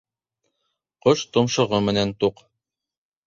Ҡош томшоғо менән туҡ.